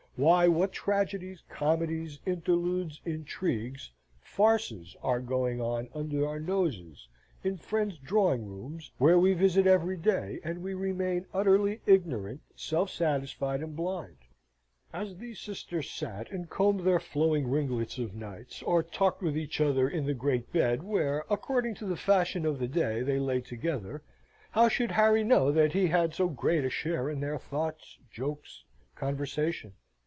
Why, what tragedies, comedies, interludes, intrigues, farces, are going on under our noses in friends' drawing rooms where we visit every day, and we remain utterly ignorant, self satisfied, and blind! As these sisters sate and combed their flowing ringlets of nights, or talked with each other in the great bed where, according to the fashion of the day, they lay together, how should Harry know that he had so great a share in their thoughts, jokes, conversation?